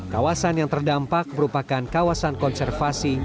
kawasan yang terdampak merupakan kawasan konservasi